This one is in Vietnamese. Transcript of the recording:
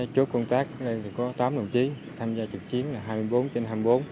chốt công tác có tám đồng chí tham gia trực chiến là hai mươi bốn trên hai mươi bốn